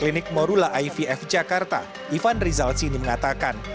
klinik morula ivf jakarta ivan rizalsini mengatakan